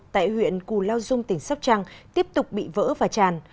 tại huyện cù lao dung tỉnh sóc trăng tiếp tục bị vỡ và tràn